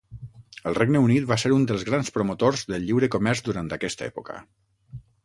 El Regne Unit va ser un dels grans promotors del lliure comerç durant aquesta època.